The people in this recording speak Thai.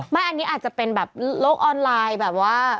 อันนี้อาจจะเป็นแบบโลกออนไลน์แบบว่า